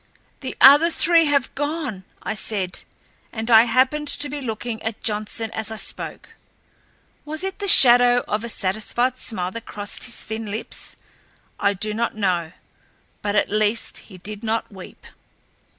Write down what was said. "The other three have gone," I said, and I happened to be looking at Johnson as I spoke. Was it the shadow of a satisfied smile that crossed his thin lips? I do not know; but at least he did not weep.